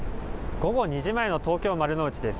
午後２時前の東京・丸の内です。